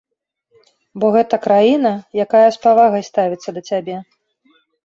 Бо гэта краіна, якая з павагай ставіцца да цябе.